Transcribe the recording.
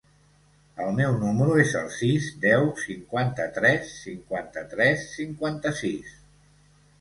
El meu número es el sis, deu, cinquanta-tres, cinquanta-tres, cinquanta-sis.